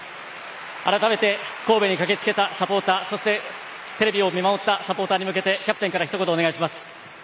改めて神戸に駆けつけたサポーターそしてテレビを見守ったサポーターに向けてキャプテンから一言お願いします。